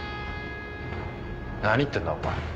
何言ってんだお前。